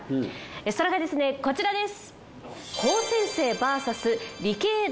それがですねこちらです。